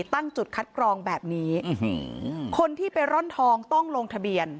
ตั้งจุดคัดกรองแบบนี้คนที่ไปร่อนทองต้องลงทะเบียน